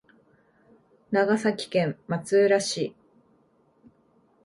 長崎県松浦市